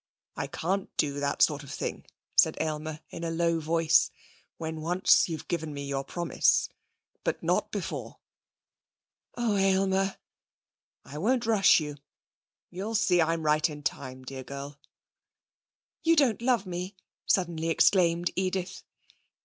'I can't do that sort of thing,' said Aylmer in a low voice. 'When once you've given me your promise but not before.' 'Oh, Aylmer!' 'I won't rush you. You'll see I'm right in time, dear girl.' 'You don't love me!' suddenly exclaimed Edith.